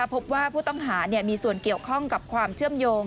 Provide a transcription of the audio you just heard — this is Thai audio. พบว่าผู้ต้องหามีส่วนเกี่ยวข้องกับความเชื่อมโยง